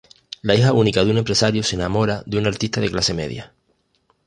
La hija única de un empresario se enamora de un artista de clase media.